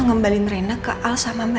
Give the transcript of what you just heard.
ngembalin rena ke al sama mba andin